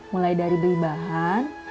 mulai dari beli bahan